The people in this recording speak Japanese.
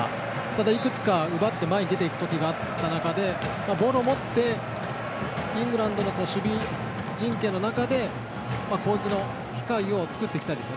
ただ、いくつか奪って前に出ていくことがあった中でボールを持ってイングランドの守備陣形の中で攻撃の機会を作っていきたいです。